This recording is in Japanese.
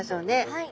はい。